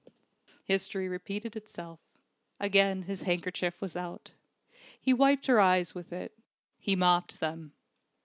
History repeated itself. Again his handkerchief was out. He wiped her eyes with it. He mopped them.